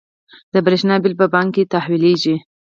د بریښنا بیل په بانک تحویلیږي؟